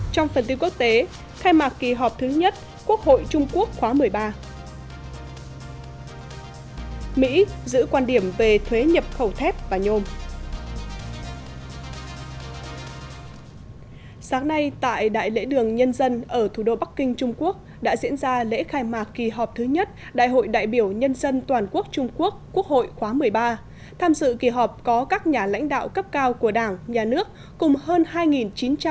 trong phần tiêu quốc tế khai mạc kỳ họp thứ nhất quốc hội trung quốc khóa một mươi ba